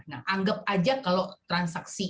nah anggap aja kalau transaksi